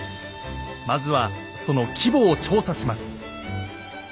まずはその規模を調査します。